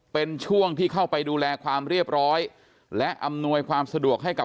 เป็นช่วงที่เข้าไปดูแลความเรียบร้อยและอำนวยความสะดวกให้กับ